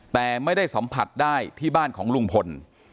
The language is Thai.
แต่ไม่ได้สัมผัสได้ที่บ้านของลุงพล